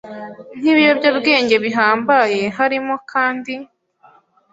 nk ibiyobyabwenge bihambaye harimo kandi